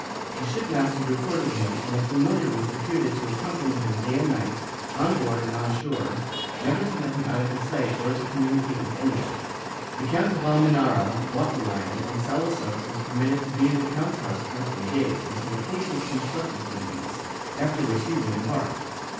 The shipmaster reported him and a familiar was deputed to accom pany him day and night, on board and on shore, never to let him out of his sight or to communicate with any one. The Count of Almenara bought the Hon and Salusox was permitted to be in the count's house for a few days, until a cage was constructed for the beast, after which he re embarked.